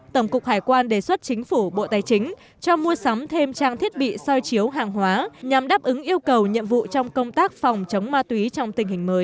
tổng cục hải quan đề xuất chính phủ bộ tài chính cho mua sắm thêm trang thiết bị soi chiếu hàng hóa nhằm đáp ứng yêu cầu nhiệm vụ trong công tác phòng chống ma túy trong tình hình mới